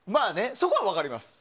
そこは分かります。